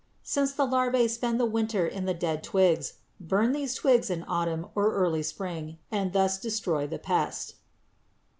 _ Since the larvæ spend the winter in the dead twigs, burn these twigs in autumn or early spring and thus destroy the pest.